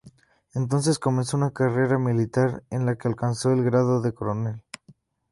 Entonces comenzó una carrera militar en la que alcanzó el grado de coronel.